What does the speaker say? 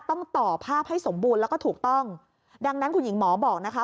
ต้องต่อภาพให้สมบูรณ์แล้วก็ถูกต้องดังนั้นคุณหญิงหมอบอกนะคะ